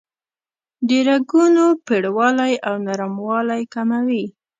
د رګونو پیړوالی او نرموالی کموي.